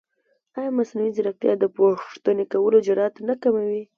ایا مصنوعي ځیرکتیا د پوښتنې کولو جرئت نه کموي؟